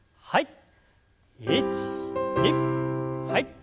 はい。